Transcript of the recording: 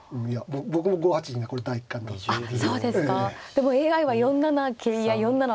でもＡＩは４七桂や４七銀と。